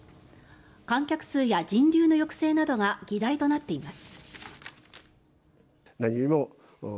観客数や人流の抑制などが議題となっています。